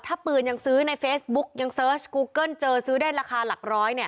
ถ้าปืนยังซื้อในเฟซบุ๊กยังเสิร์ชกูเกิ้ลเจอซื้อได้ราคาหลักร้อยเนี่ย